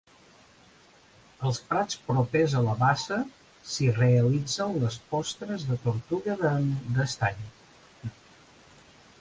Als prats propers a la bassa s'hi realitzen les postes de tortuga d'estany.